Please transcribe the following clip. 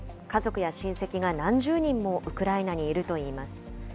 家族や親戚が何十人もウクライナにいるといいます。